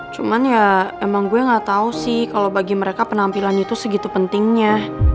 cuman ya emang gue gak tau sih kalau bagi mereka penampilan itu segitu pentingnya